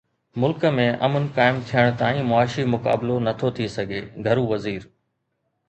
ملڪ ۾ امن قائم ٿيڻ تائين معاشي مقابلو نٿو ٿي سگهي: گهرو وزير